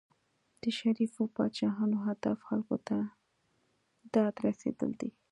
د شریفو پاچاهانو هدف خلکو ته داد رسېدل دي.